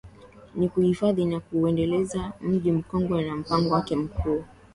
Ni kuhifadhi na kuuendeleza Mji Mkongwe na mpango wake mkuu